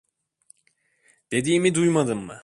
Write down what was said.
Dediğimi duymadın mı?